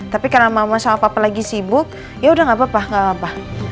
tapi karena mama sama papa lagi sibuk ya udah nggak apa apa